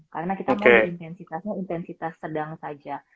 karena kita mau intensitasnya intensitas sedang saja